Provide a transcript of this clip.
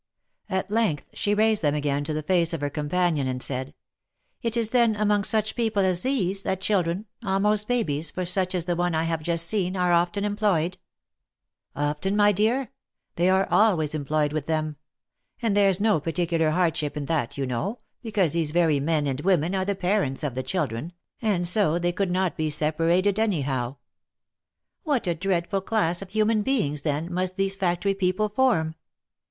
At length she raised them again to the face of her companion, and said, "It is then among such people as these, that children, almost babies — for such is the one I have just seen — are often employed ?"" Often, my dear ? They are always employed with them. And there's no particular hardship in that you know, because these very men and women are the parents of the children, and so they could not be separated any how." " What a dreadful class of human beings, then, must these fac tory people form